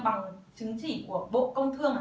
bằng chứng chỉ của bộ công thương